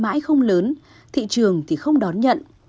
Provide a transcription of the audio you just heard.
mãi không lớn thị trường thì không đón nhận